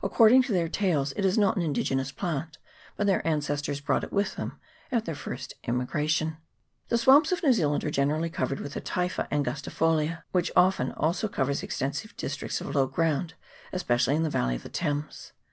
According to their tales, it is not an indigenous plant, but their ancestors brought it with them at their first immigration. O The swamps of New Zealand are generally covered with the Typha angustifolia, which often also covers extensive districts of low ground, especially in the valley of the Thames.